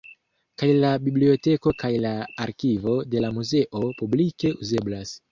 Kaj la biblioteko kaj la arkivo de la muzeo publike uzeblas.